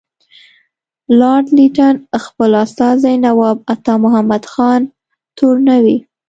لارډ لیټن خپل استازی نواب عطامحمد خان تورنوي.